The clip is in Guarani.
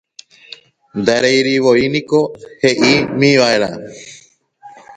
Ndareirivoíniko he'ímiva'erã